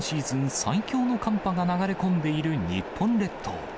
最強の寒波が流れ込んでいる日本列島。